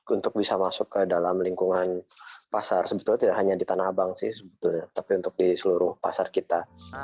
untuk bisa masuk ke dalam lingkungan pasar sebetulnya tidak hanya di tanah abang sih sebetulnya tapi untuk di seluruh pasar kita